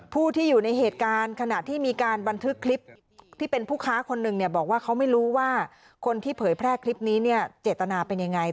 ผู้ที่อยู่ในเหตุการณ์ขณะที่มีการบันทึกคลิปที่เป็นผู้ค้าคนหนึ่งเนี่ยบอกว่าเขาไม่รู้ว่าคนที่เผยแพร่คลิปนี้เนี่ยเจตนาเป็นยังไง